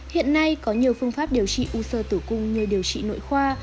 hiện nay có nhiều phương pháp điều trị u sơ tử cung như điều trị nội khoa